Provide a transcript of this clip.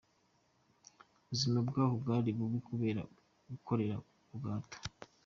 Ubuzima bwaho bwari bubi kubera gukorera ku gahato.